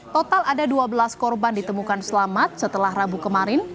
total ada dua belas korban ditemukan selamat setelah rabu kemarin